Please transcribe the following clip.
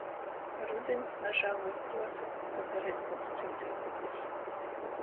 Rudiņs nažāloj kruosu, kab padareit myus prīceiguokus!